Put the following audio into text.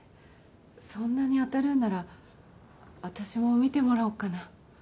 そんなに当たるんなら私も見てもらおうかな？